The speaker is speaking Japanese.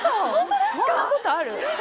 そんなことある？